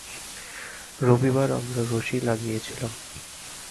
রবিবার আমরা রশি লাগিয়েছিলাম।